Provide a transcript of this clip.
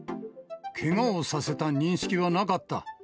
けがをさせた認識はなかった。